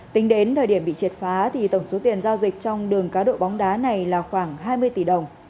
tính đến thời điểm bị triệt phá tổng số tiền giao dịch trong đường cá độ bóng đá này là khoảng hai mươi tỷ đồng